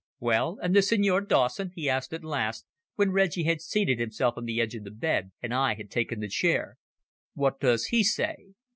"Well, and the Signor Dawson?" he asked at last, when Reggie had seated himself on the edge of the bed, and I had taken the chair. "What does he say?"